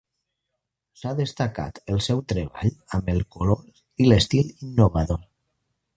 S'ha destacat el seu treball amb el color i l'estil innovador.